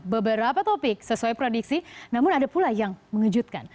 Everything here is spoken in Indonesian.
beberapa topik sesuai prediksi namun ada pula yang mengejutkan